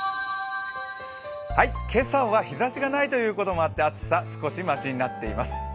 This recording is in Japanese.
今朝は日ざしがないということもあって暑さ、少しましになっています。